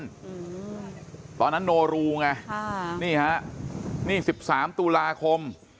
อืมตอนนั้นโนรูไงค่ะนี่ฮะนี่สิบสามตุลาคม